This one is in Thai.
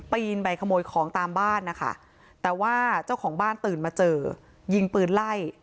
ไปขโมยของตามบ้านนะคะแต่ว่าเจ้าของบ้านตื่นมาเจอยิงปืนไล่